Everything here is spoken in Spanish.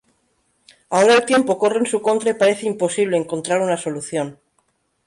Ahora el tiempo corre en su contra y parece imposible encontrar una solución.